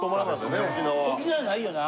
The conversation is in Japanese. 沖縄無いよな。